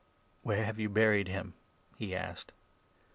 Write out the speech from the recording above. " Where have you buried him ?" he asked.